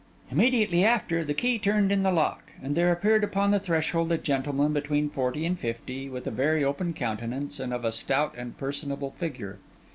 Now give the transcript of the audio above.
Immediately after, the key turned in the lock; and there appeared upon the threshold a gentleman, between forty and fifty, with a very open countenance, and of a stout and personable figure.